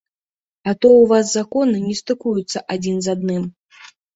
А то ў вас законы не стыкуюцца адзін з адным.